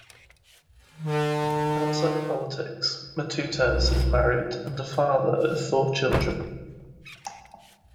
Outside politics Matutes is married and a father of four children.